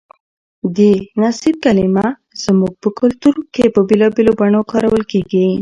د نصیب کلمه زموږ په کلتور کې په بېلابېلو بڼو کارول کېږي.